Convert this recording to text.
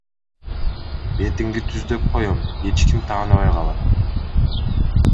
Бетиңди түздөп коём, эч ким тааныбай калат.